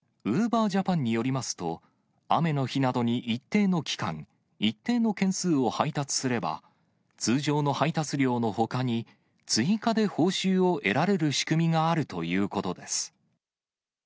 ウーバージャパンによりますと、雨の日などに一定の期間、一定の件数を配達すれば、通常の配達料のほかに、追加で報酬を得られる仕組みがあるということです。